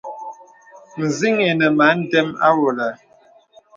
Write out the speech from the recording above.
Nzìn̄ inə mə a ndəm àwɔlə.